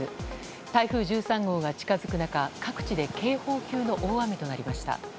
台風１３号が近づく中、各地で警報級の大雨となりました。